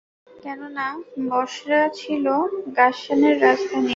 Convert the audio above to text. কেননা বসরা ছিল গাসসানের রাজধানী।